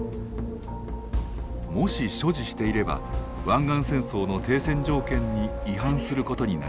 もし所持していれば湾岸戦争の停戦条件に違反することになります。